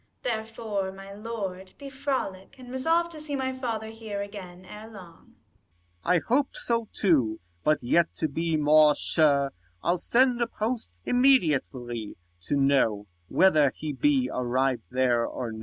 Therefore, my lord, be frolic, and resolve To see my father here again ere long. Corn. I hope so too ; but yet to be more sure, 20 I'll send a post immediately to know Whether he be arrived there or no.